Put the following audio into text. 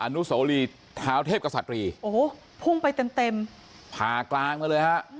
อนุสรีท้าวเทพกสตรีพุ่งไปเต็มผ่ากลางมาเลย